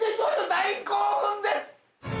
大興奮です！